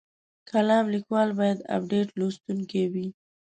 کالم لیکوال باید ابډیټ لوستونکی وي.